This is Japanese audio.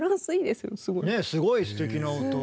すごいすてきな音。